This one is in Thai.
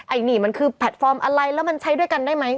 อันนี้มันคือแพลตฟอร์มอะไรแล้วมันใช้ด้วยกันได้ไหม